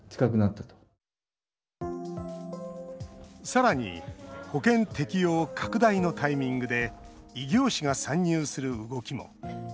さらに保険適用拡大のタイミングで異業種が参入する動きも。